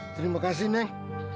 terima kasih neng